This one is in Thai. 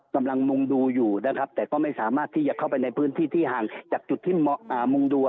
กำลังมุงดูอยู่นะครับแต่ก็ไม่สามารถที่จะเข้าไปในพื้นที่ที่ห่างจากจุดที่มุงดู